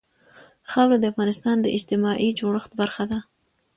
خاوره د افغانستان د اجتماعي جوړښت برخه ده.